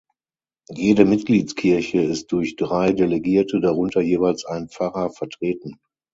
Jede Mitgliedskirche ist durch drei Delegierte, darunter jeweils ein Pfarrer, vertreten.